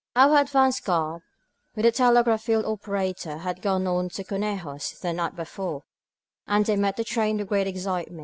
Our advance guard, with a telegraph field operator, had gone on to Conejos the night before, and they met the train in great excitement.